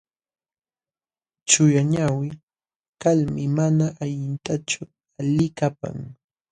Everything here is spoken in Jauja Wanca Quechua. Chullañawi kalmi mana allintachu likapan.